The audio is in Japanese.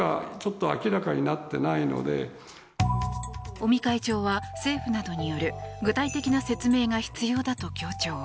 尾身会長は政府などによる具体的な説明が必要だと強調。